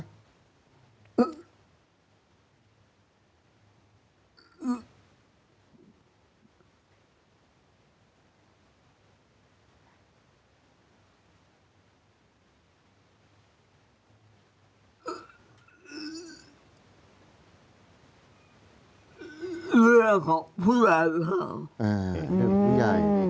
เรื่องของผู้แหวนค่ะ